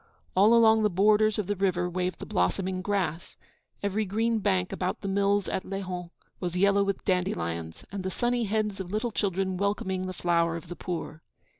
All along the borders of the river waved the blossoming grass; every green bank about the mills at Lehon was yellow with dandelions, and the sunny heads of little children welcoming the flower of the poor.